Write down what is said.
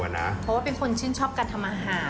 เพราะว่าเป็นคนชื่นชอบการทำอาหาร